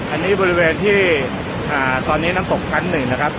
อันนี้บริเวณที่ตอนนี้น้ำตกชั้นหนึ่งนะครับ